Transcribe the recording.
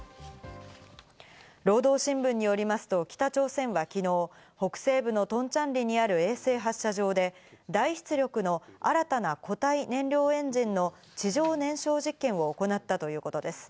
労働新聞によりますと北朝鮮は昨日、北西部のトンチャンリにある衛星発射場で大出力の新たな固体燃料エンジンの地上燃焼実験を行ったということです。